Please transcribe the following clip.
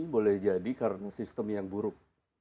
boleh jadi karena sistem yang buruk